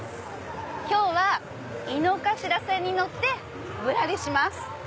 今日は井の頭線に乗ってぶらりします。